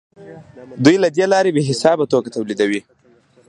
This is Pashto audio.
دوی له دې لارې بې حسابه توکي تولیدوي